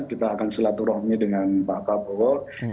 kita akan silaturahmi dengan pak prabowo